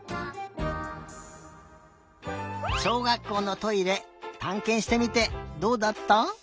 しょうがっこうのトイレたんけんしてみてどうだった？